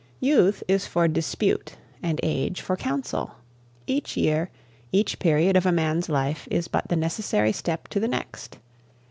Youth is for dispute and age for counsel; each year, each period of a man's life is but the necessary step to the next.